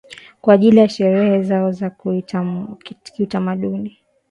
kwa ajili ya sherehe zao za kiutamaduni